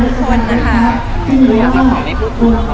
มีอย่างไรอยู่